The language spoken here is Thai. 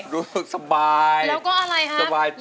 ดูสบายสบายตัว